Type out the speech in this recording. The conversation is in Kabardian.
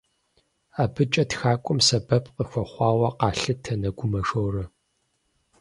АбыкӀэ тхакӀуэм сэбэп къыхуэхъуауэ къалъытэ Нэгумэ Шорэ.